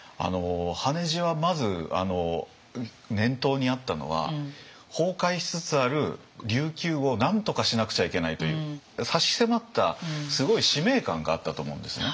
羽地はまず念頭にあったのは崩壊しつつある琉球をなんとかしなくちゃいけないという差し迫ったすごい使命感があったと思うんですね。